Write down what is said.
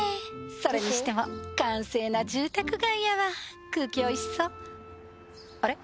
それにしても閑静な住宅街やわ空気おいしそうあれ？